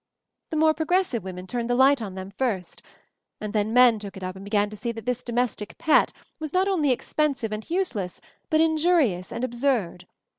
The more progressive women turned the light on them first, and then men took it up and began to see that this domes tic pet was not only expensive and useless but injurious and absurd.